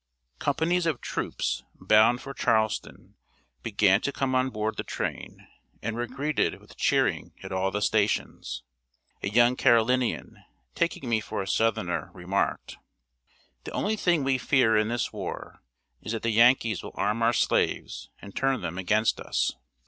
Companies of troops, bound for Charleston, began to come on board the train, and were greeted with cheering at all the stations. A young Carolinian, taking me for a southerner, remarked: "The only thing we fear in this war is that the Yankees will arm our slaves and turn them against us."